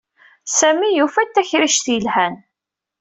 Sami yufa-d takrict yelhan.